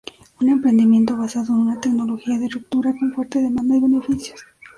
Un emprendimiento basado en una tecnología de ruptura con fuerte demanda y beneficios.